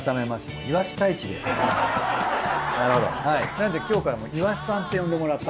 なので今日からいわしさんって呼んでもらって。